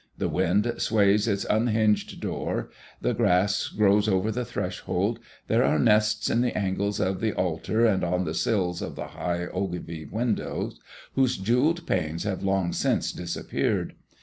The wind sways its unhinged door; the grass grows over the threshold; there are nests in the angles of the altar, and on the sills of the high ogive windows, whose jewelled panes have long since disappeared.